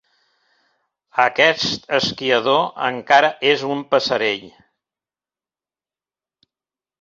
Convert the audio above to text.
Aquest esquiador encara és un passerell.